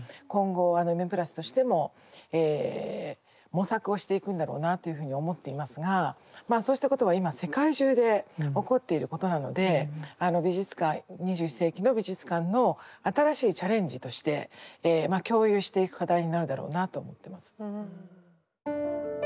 今後「Ｍ＋」としても模索をしていくんだろうなというふうに思っていますがまあそうしたことは今世界中で起こっていることなのであの美術館２１世紀の美術館の新しいチャレンジとして共有していく課題になるだろうなと思ってます。